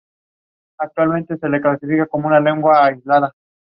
La vesícula biliar puede estar afectada de forma localizada o de forma difusa.